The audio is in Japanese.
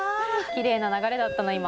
「きれいな流れだったな今」